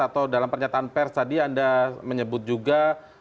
atau dalam pernyataan pers tadi anda menyebut juga